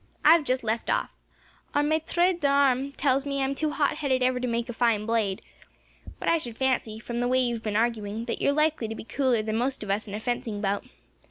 I have just left off. Our maitre d'armes tells me I am too hotheaded ever to make a fine blade; but I should fancy, from the way you have been arguing, that you are likely to be cooler than most of us in a fencing bout.